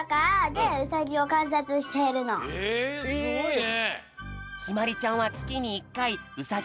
へえすごいね。